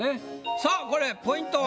さあこれポイントは？